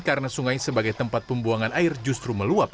karena sungai sebagai tempat pembuangan air justru meluap